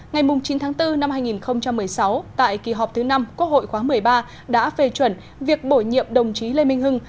ngày chín tháng bốn năm hai nghìn một mươi sáu tại kỳ họp thứ năm quốc hội khóa một mươi ba đã phê chuẩn việc bổ nhiệm đồng chí lê minh hưng